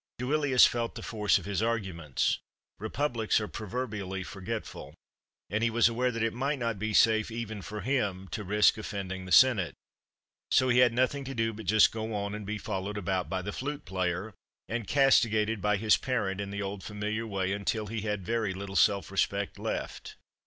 Duilius felt the force of his arguments. Republics are proverbially forgetful, and he was aware that it might not be safe even for him, to risk offending the Senate. So he had nothing to do but just go on, and be followed about by the flute player, and castigated by his parent in the old familiar way, until he had very little self respect left.